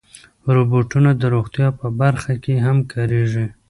روبوټونه د روغتیا په برخه کې هم کارېږي.